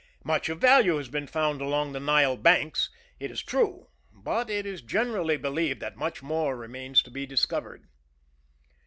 Much of value has been found along the Nile banks, it is true; but it is generally believed that much more remains to be discovered.